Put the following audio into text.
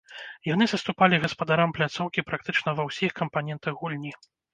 Яны саступалі гаспадарам пляцоўкі практычна ва ўсіх кампанентах гульні.